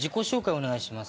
お願いします。